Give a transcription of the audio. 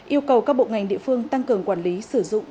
yêu cầu các bộ ngành địa phương tăng cường quản lý sử dụng